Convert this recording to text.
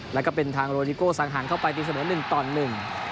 แล้วก็เป็นทางโรดิโก้สังหารเข้าไปตีเสมอหนึ่งต่อหนึ่ง